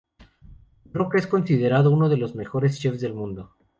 Roca es considerado uno de los mejores chefs del mundo.